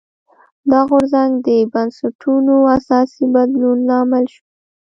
دا غورځنګ د بنسټونو اساسي بدلون لامل شو.